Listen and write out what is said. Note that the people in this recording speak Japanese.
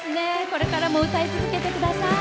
これからも歌い続けてください。